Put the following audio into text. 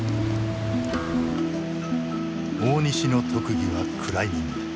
大西の特技はクライミング。